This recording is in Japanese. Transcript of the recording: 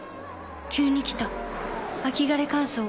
急に来た秋枯れ乾燥。